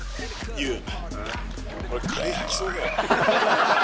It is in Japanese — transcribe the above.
ユウ、俺、カレー吐きそうだよ。